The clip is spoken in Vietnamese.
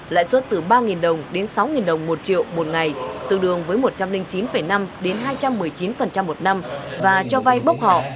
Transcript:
lãi suất từ ba đồng đến sáu đồng một triệu một ngày tương đương với một trăm linh chín năm đến hai trăm một mươi chín một năm và cho vay bốc họ